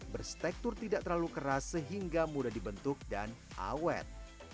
berspektur tidak terlalu keras sehingga mudah dibentuk dan awet